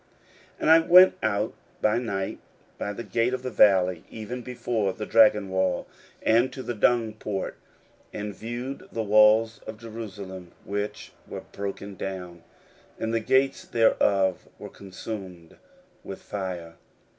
16:002:013 And I went out by night by the gate of the valley, even before the dragon well, and to the dung port, and viewed the walls of Jerusalem, which were broken down, and the gates thereof were consumed with fire.